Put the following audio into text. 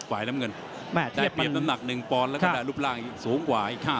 ฝ่ายน้ำเงินได้เปรียบน้ำหนัก๑ปอนด์แล้วก็ได้รูปร่างสูงกว่า